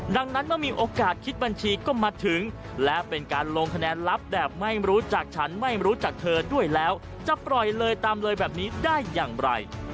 ดังนั้นเมื่อมีโอกาสคิดบัญชีก็มาถึงและเป็นการลงคะแนนลับแบบไม่รู้จักฉันไม่รู้จักเธอด้วยแล้วจะปล่อยเลยตามเลยแบบนี้ได้อย่างไร